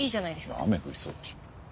雨降りそうだし。